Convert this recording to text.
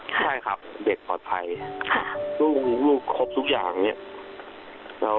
ใช่ครับเด็กปลอดภัยลูกครบทุกอย่างเนี่ย